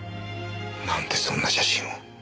なんでそんな写真を。